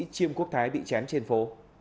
chiêm quốc thái bị chém trên phố